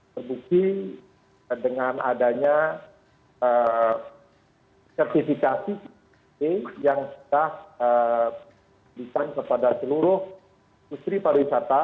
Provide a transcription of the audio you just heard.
terbukti dengan adanya sertifikasi yang sudah diberikan kepada seluruh industri pariwisata